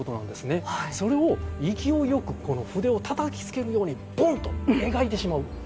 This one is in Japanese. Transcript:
それを勢いよく筆をたたきつけるようにポンと描いてしまう。